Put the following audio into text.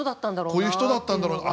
こういう人だったんだろうな。